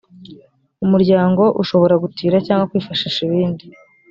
umuryango ushobora gutira cyangwa kwifashisha ibindi